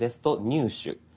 「入手」。